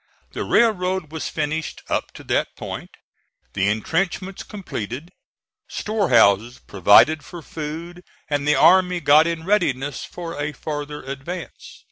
The railroad was finished up to that point, the intrenchments completed, storehouses provided for food, and the army got in readiness for a further advance.